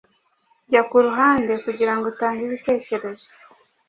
jya kuruhande kugirango utange ibitekerezo